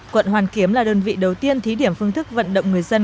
quận hoàn kiếm là đơn vị đầu tiên thí điểm phương thức vận động người dân